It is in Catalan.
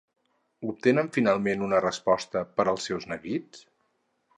Obtenen finalment una resposta per als seus neguits?